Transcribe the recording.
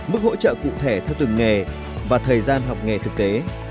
mức hỗ trợ cụ thể theo từng nghề và thời gian học nghề thực tế